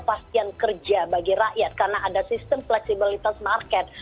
kepastian kerja bagi rakyat karena ada sistem fleksibilitas market